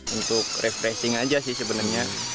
untuk refreshing aja sih sebenarnya